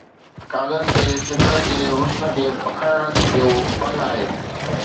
ڪاغذ تي فطرت جي حسن کي پڪڙڻ جو فن آهي